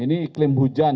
ini iklim hujan